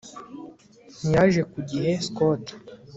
Ntiyaje ku gihe Scott